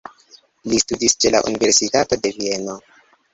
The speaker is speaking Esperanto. Li studis ĉe la Universitato de Vieno.